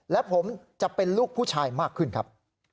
และผมจะเป็นลูกผู้ชายมากขึ้นครับ